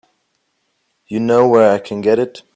You know where I can get it?